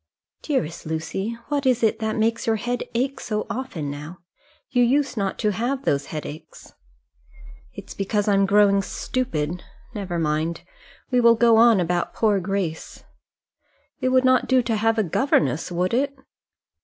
"Dearest Lucy, what is it makes your head ache so often now? you used not to have those headaches." "It's because I'm growing stupid: never mind. We will go on about poor Grace. It would not do to have a governess, would it?"